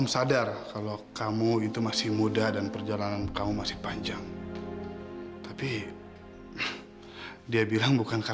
sampai jumpa di video selanjutnya